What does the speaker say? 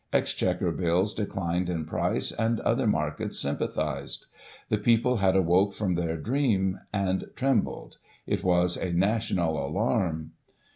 ; Exchequer bills declined in price, and other markets sympathised. The people had awoke from their dream, and trembled. It was a national alarm.